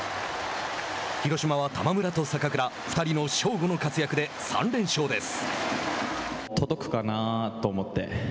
広島は玉村と坂倉２人の「しょうご」の活躍で３連勝です。